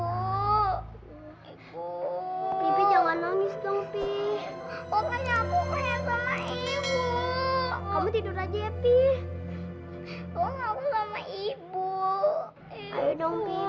hai pipi kamu kenapa pih kak mana ibu ibu mungkin lagi cari uang ibu ibu jangan nangis